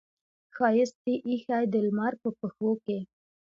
ښایست یې ایښې د لمر په پښو کې